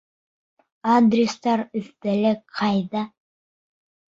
Адрестар өҫтәле ҡайҙа?